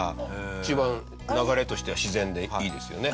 一番流れとしては自然でいいですよね。